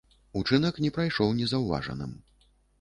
Учынак не прайшоў незаўважаным.